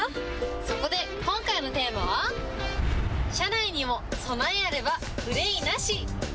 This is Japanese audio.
そこで、今回のテーマは、車内にも備えあれば憂いなし。